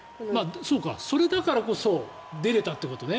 そうか、それだからこそ出れたということね。